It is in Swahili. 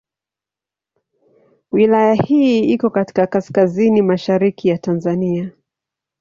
Wilaya hii iko katika kaskazini mashariki ya Tanzania.